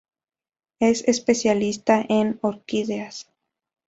Es especialista en orquídeas